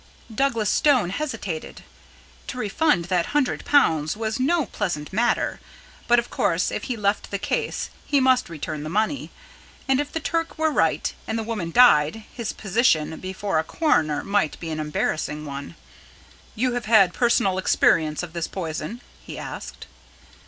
Douglas Stone hesitated. To refund that hundred pounds was no pleasant matter. But of course if he left the case he must return the money. And if the Turk were right and the woman died, his position before a coroner might be an embarrassing one. "You have had personal experience of this poison?" he asked.